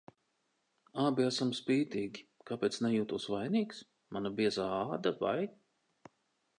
Abi esam spītīgi. Kāpēc nejūtos vainīgs? Mana biezā āda, vai?